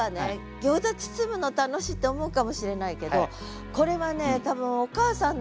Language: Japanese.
餃子包むの楽しいって思うかもしれないけどこれはね多分お母さんの視点。